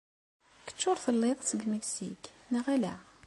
Kečč ur telliḍ seg Meksik, neɣ ala?